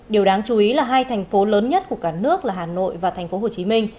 điều đáng chú ý là hai thành phố lớn nhất của cả nước là hà nội và tp hcm